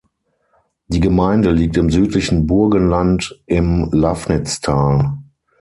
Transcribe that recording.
Die Gemeinde liegt im südlichen Burgenland im Lafnitztal.